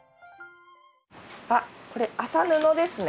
あこれ麻布ですね。